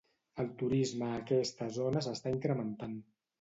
El turisme a aquesta zona s'està incrementant.